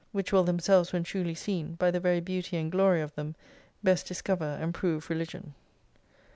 Which will themselves when truly seen, by the very beauty and glory of them, best discover, and prove religion.